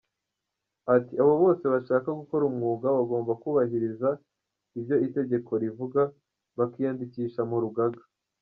Ati “Abo bose bashaka gukora umwuga bagomba kubahiriza ibyo itegeko rivuga, bakiyandikisha mu rugaga.